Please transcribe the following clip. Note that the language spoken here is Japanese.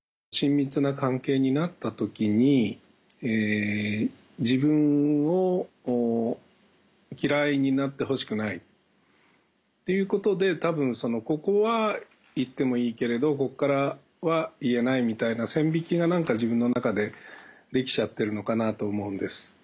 親密な関係になった時に自分を嫌いになってほしくないっていうことでたぶんここは言ってもいいけれどここからは言えないみたいな線引きが何か自分の中でできちゃってるのかなと思うんです。